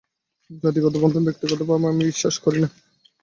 জাতিগত বন্ধন ব্যক্তিগতভাবে আমি বিশ্বাস করি না।